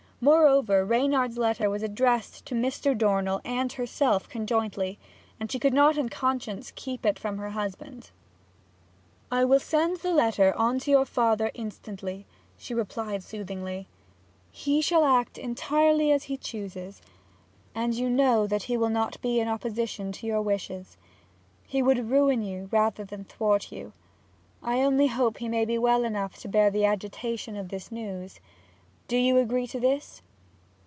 Moreover, Reynard's letter was addressed to Mr. Dornell and herself conjointly, and she could not in conscience keep it from her husband. 'I will send the letter on to your father instantly,' she replied soothingly. 'He shall act entirely as he chooses, and you know that will not be in opposition to your wishes. He would ruin you rather than thwart you. I only hope he may be well enough to bear the agitation of this news. Do you agree to this?'